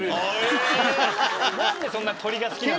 何でそんな鶏が好きなの？